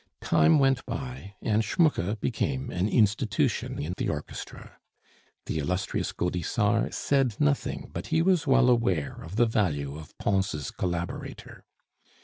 Time went by, and Schmucke became an institution in the orchestra; the Illustrious Gaudissart said nothing, but he was well aware of the value of Pons' collaborator.